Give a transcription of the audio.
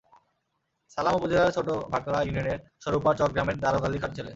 ছালাম উপজেলার ছোটভাকলা ইউনিয়নের স্বরুপার চক গ্রামের দারোগ আলী খাঁর ছেলে।